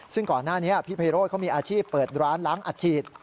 ซึ่งก่อนหน้านี้พี่ไพโรธเขามีอาชีพเปิดร้านล้างอัดฉีด